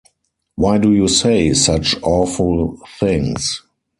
Why do you say such awful things?